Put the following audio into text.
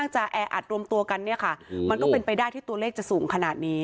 จะแออัดรวมตัวกันเนี่ยค่ะมันก็เป็นไปได้ที่ตัวเลขจะสูงขนาดนี้